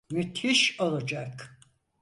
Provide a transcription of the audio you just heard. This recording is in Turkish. Müthiş olacak.